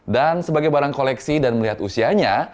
dan sebagai barang koleksi dan melihat usianya